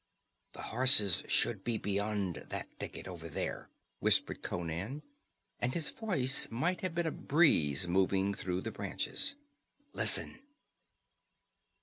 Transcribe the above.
"The horses should be beyond that thicket, over there," whispered Conan, and his voice might have been a breeze moving through the branches. "Listen!"